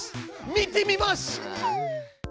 見てみます！